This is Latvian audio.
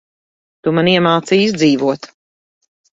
Tu man iemācīji izdzīvot.